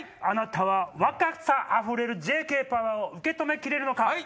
あなたは若さあふれるＪＫパワー受け止めきれるのか？